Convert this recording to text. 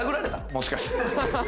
もしかして。